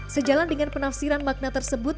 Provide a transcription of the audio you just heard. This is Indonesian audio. sejalan dengan penafsiran makna tersebut